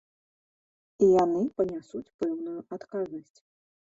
І яны панясуць пэўную адказнасць.